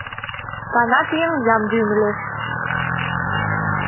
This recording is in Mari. Канат еҥ ямде ӱмылеш...